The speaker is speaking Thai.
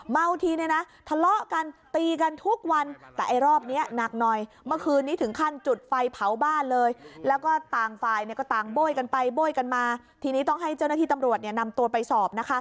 เม้าท์ทีเนี่ยนะทะเลาะกันตีกันทุกวัน